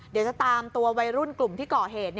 เดี๋ยวจะตามตัววัยรุ่นกลุ่มที่ก่อเหตุ